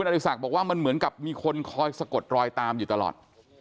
อริสักบอกว่ามันเหมือนกับมีคนคอยสะกดรอยตามอยู่ตลอด